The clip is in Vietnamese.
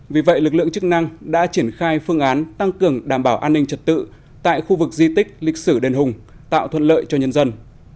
vì vậy lực lượng chức năng đã triển khai phương án tăng cường đảm bảo an ninh trật tự tại khu vực di tích lịch sử đền hùng tạo thuận lợi cho nhân dân